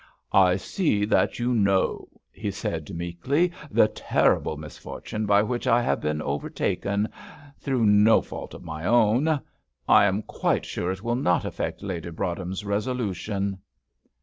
"I see that you know," he said, meekly, "the terrible misfortune by which I have been overtaken, through no fault of my own. I am quite sure it will not affect Lady Broadhem's resolution."